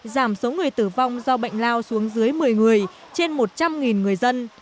giảm số người tử vong do bệnh lao xuống dưới một mươi người trên một trăm linh người dân